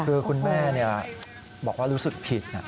คือคุณแม่บอกว่ารู้สึกผิด